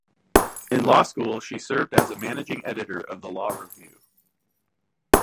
In law school she served as a Managing Editor of the Law Review.